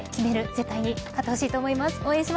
絶対に勝ってほしい思います。